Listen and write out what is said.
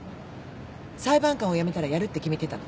裁判官を辞めたらやるって決めてたの。